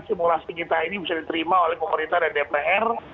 simulasi kita ini bisa diterima oleh pemerintah dan dpr